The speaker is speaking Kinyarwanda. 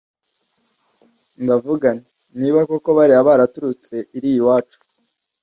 ndavuga nti “niba koko bariya baraturutse iriya iwacu